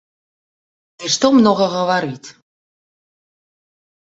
Ды што многа гаварыць!